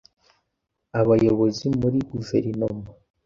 abayobozi muri guverinoma